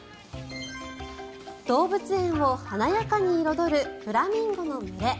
動物園を華やかに彩るフラミンゴの群れ。